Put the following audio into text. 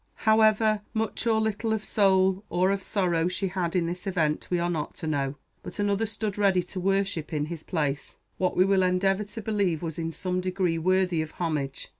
However much or little of soul or of sorrow she had in this event we are not to know; but another stood ready to worship in his place, what we will endeavor to believe was in some degree worthy of homage.